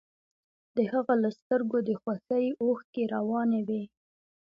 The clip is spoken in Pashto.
د هغه له سترګو د خوښۍ اوښکې روانې وې